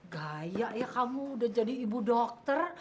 gaya ya kamu udah jadi ibu dokter